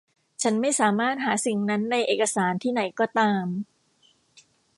ฉันไม่สามารถหาสิ่งนั้นในเอกสารที่ไหนก็ตาม